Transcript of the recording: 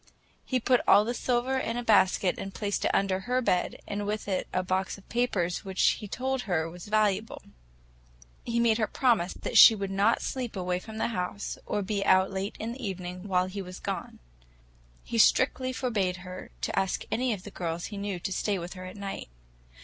He put all the silver in a basket and placed it under her bed, and with it a box of papers which he told her were valuable. He made her promise that she would not sleep away from the house, or be out late in the evening, while he was gone. He strictly forbade her to ask any of the girls she knew to stay with her at night.